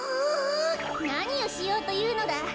なにをしようというのだ！